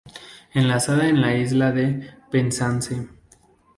Enlaza la isla a Penzance.